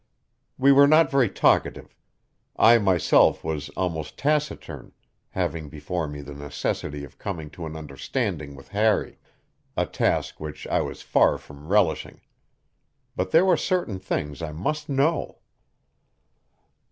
We were not very talkative; I myself was almost taciturn, having before me the necessity of coming to an understanding with Harry, a task which I was far from relishing. But there were certain things I must know.